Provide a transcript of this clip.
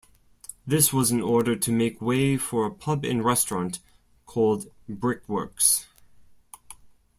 This was in order to make way for a pub and restaurant called "Brickworks".